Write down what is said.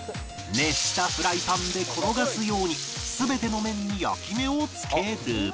熱したフライパンで転がすように全ての面に焼き目を付ける